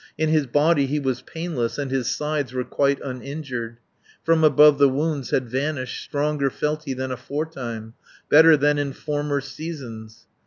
In his body he was painless, And his sides were quite uninjured, From above the wounds had vanished, Stronger felt he than aforetime, Better than in former seasons.